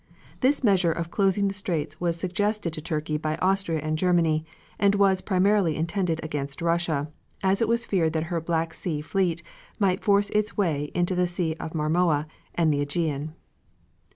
This measure of closing the straits was suggested to Turkey by Austria and Germany, and was primarily intended against Russia, as it was feared that her Black Sea fleet might force its way into the Sea of Marmora and the AEgean.